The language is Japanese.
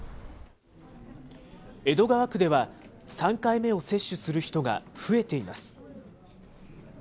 江戸川区では、３回目を接種する人が増えています。